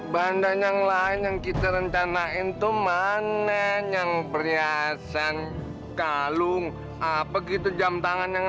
bahan dan yang lain yang kita rencanain tuh manen yang perhiasan kalung apa gitu jam tangan yang